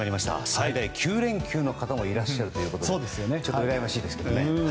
最大９連休の方もいらっしゃるということでちょっと羨ましいですけどね。